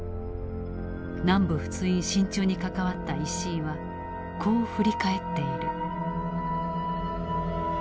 南部仏印進駐に関わった石井はこう振り返っている。